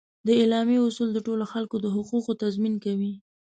د اعلامیه اصول د ټولو خلکو د حقوقو تضمین کوي.